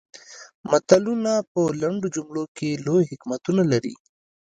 متلونه په لنډو جملو کې لوی حکمتونه لري